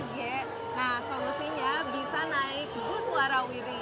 nah solusinya bisa naik bus warawiri